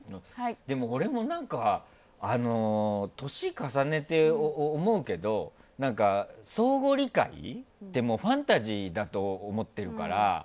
でも、俺も歳重ねて思うけど相互理解って、もうファンタジーだと思ってるから。